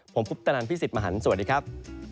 ผมคุปตนันพี่สิทธิ์มหันฯสวัสดีครับ